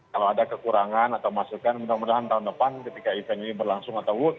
kalau ada kekurangan atau masukan mudah mudahan tahun depan ketika event ini berlangsung atau world